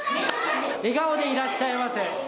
笑顔でいらっしゃいませ。